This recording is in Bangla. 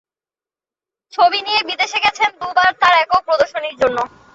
ছবি নিয়ে বিদেশে গেছেন দুবার তার একক প্রদর্শনীর জন্য।